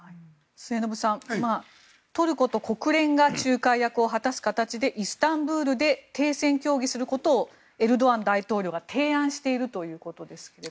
末延さん、トルコと国連が仲介役を果たす形でイスタンブールで停戦協議することをエルドアン大統領が提案しているということです。